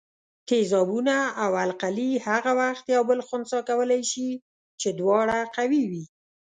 تیزابونه او القلي هغه وخت یو بل خنثي کولای شي چې دواړه قوي وي.